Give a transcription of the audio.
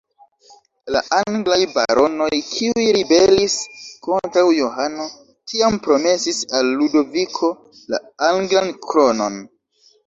La anglaj baronoj, kiuj ribelis kontraŭ Johano, tiam promesis al Ludoviko la anglan kronon.